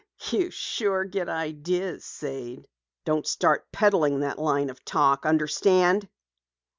"You sure do get ideas, Sade. Don't start peddling that line of talk. Understand?"